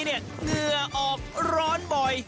เหงื่อออกร้อนบ่อย